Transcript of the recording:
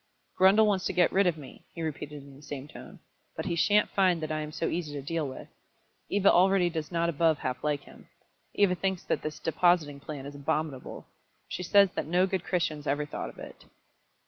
"Grundle wants to get rid of me," he repeated in the same tone. "But he shan't find that I am so easy to deal with. Eva already does not above half like him. Eva thinks that this depositing plan is abominable. She says that no good Christians ever thought of it."